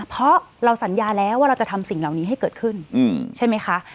เพราะเราสัญญาแล้วว่าเราจะทำสิ่งเหล่านี้ให้เกิดขึ้นใช่ไหมคะ